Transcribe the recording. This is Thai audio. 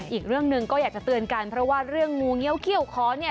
อีกเรื่องหนึ่งก็อยากจะเตือนกันเพราะว่าเรื่องงูเงี้ยวเขี้ยวขอเนี่ย